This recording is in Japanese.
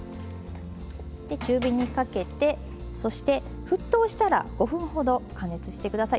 中火にかけてそして沸騰したら５分ほど加熱して下さい。